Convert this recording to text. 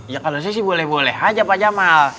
ya kalau saya sih boleh boleh aja pak jamal